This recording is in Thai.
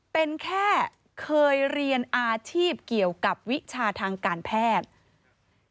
เป็นแค่เคยเรียนอาชีพเกี่ยวกับวิชาทางการแพทย์